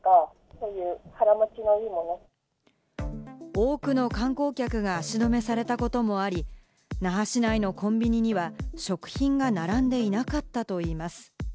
多くの観光客が足止めされたこともあり、那覇市内のコンビニには食品が並んでいなかったといいます。